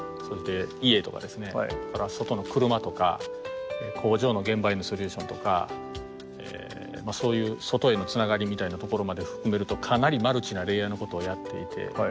それから外の車とか工場の現場へのソリューションとかそういう外へのつながりみたいなところまで含めるとかなりマルチなレイヤーなことをやっていて。